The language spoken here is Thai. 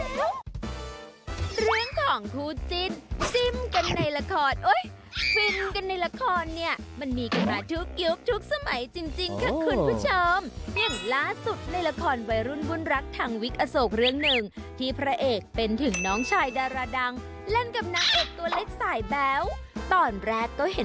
โปรดติดตามตอนต่อไป